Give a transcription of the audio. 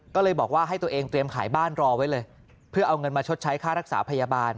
ก็เลยบอกว่าให้ตัวเองเตรียมขายบ้านรอไว้เลยเพื่อเอาเงินมาชดใช้ค่ารักษาพยาบาล